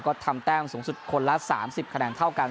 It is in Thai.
ก็ทำแต้มสูงสุดคนละ๓๐คะแนนเท่ากัน